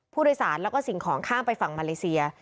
ผู้โดยสารแล้วก็สิ่งของข้ามไปฝั่งมาเลเซีย